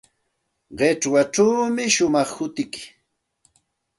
Qichwachawmi shumaq hutiyki.